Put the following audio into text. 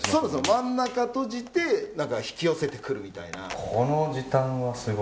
真ん中を閉じて引き寄せてくるみたいな。